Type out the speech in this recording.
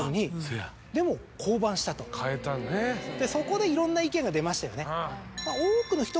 そこでいろんな意見が出ましたよね。